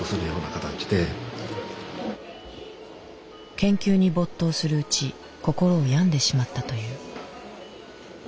研究に没頭するうち心を病んでしまったという。